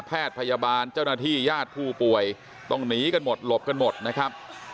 แพทย์พยาบาลเจ้าหน้าที่ญาติผู้ป่วยต้องหนีกันหมดหลบกันหมดนะครับ